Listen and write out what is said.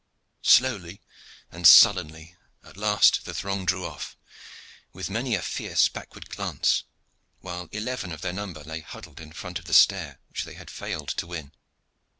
Slowly and sullenly at last the throng drew off, with many a fierce backward glance, while eleven of their number lay huddled in front of the stair which they had failed to win.